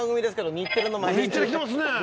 日テレ来てますね。